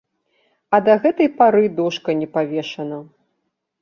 А да гэтай пары дошка не павешана.